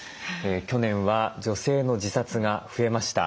去年は女性の自殺が増えました。